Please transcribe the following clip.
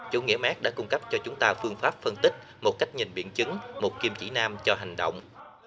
chủ nghĩa mark đã cung cấp cho chúng ta phương pháp phân tích một cách nhìn biện chứng một kim chỉ nam cho hành động